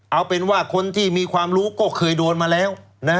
เอาเป็นว่าคนที่มีความรู้ก็เคยโดนมาแล้ว